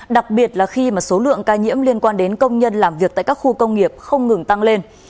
đặc biệt là khi mà số lượng ca nhiễm liên quan đến công nhân làm việc tại các khu công nghiệp không ngừng tăng lên